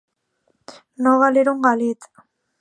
No valer un galet.